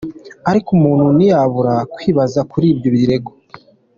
Ariko umuntu ntiyabura kwibaza kuri ibyo birego.